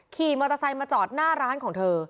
ขี่มอเตอร์ไซค์มาจอดหน้าร้านของเธอ